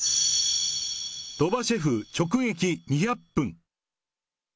鳥羽シェフ、直撃２００分。